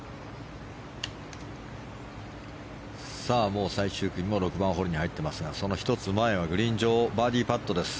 もう最終組も６番ホールに入ってますがその１つ前はグリーン上バーディーパットです。